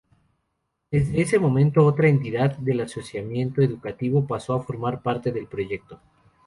Desde ese momento, otra entidad del asociacionismo educativo pasó a formar parte del proyecto.